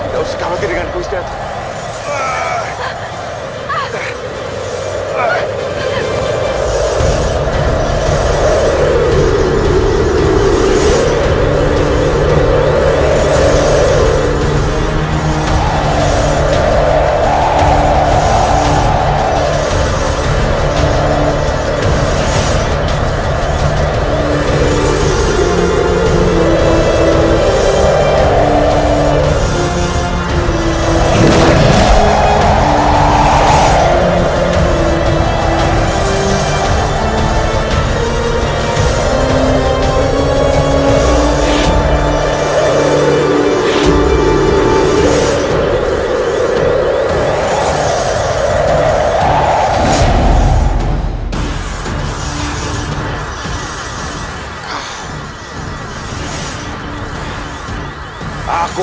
gusti ratu tidak usah lagi dengan gusti ratu